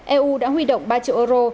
eu đã huy động ba triệu euro